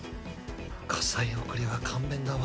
家裁送りは勘弁だわ